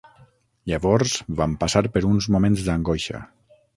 Llavors vam passar per uns moments d'angoixa.